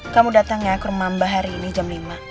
kamu datang ya ke rumahmba hari ini jam lima